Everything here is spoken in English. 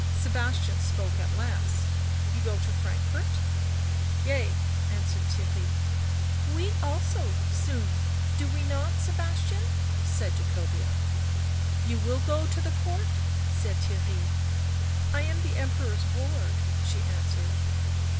Sebastian spoke at last. "You go to Frankfort?" " Yea," answered Theirry. " We also, soon, do we not, Sebastian ?" said Jacobea. " You will go to the court," said Theirry. " I am the Emperor's ward," she answered.